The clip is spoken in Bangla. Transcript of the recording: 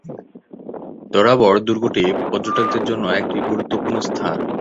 দরাবড় দুর্গটি পর্যটকদের জন্য একটি গুরুত্বপূর্ণ স্থান।